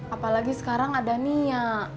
apalagi sekarang ada nia